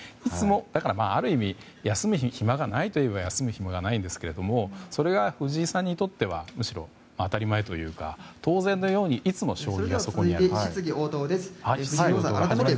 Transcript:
ある意味休む暇がないと言えば、休む暇がないんですがそれが藤井さんにとってはむしろ当たり前というか当然のようにいつも将棋がそこにあると。